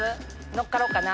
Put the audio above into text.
乗っかろうかな。